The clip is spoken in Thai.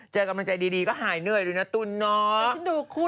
เจอกำลังใจดีก็หายเหนื่อยดูนะตุ๋นน้อย